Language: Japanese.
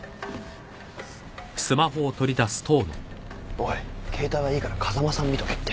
おい携帯はいいから風間さん見とけって。